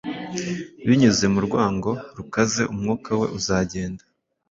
Binyuze mu rwango rukaze umwuka we uzagenda